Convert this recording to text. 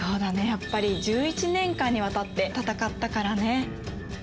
やっぱり１１年間に渡って戦ったからね。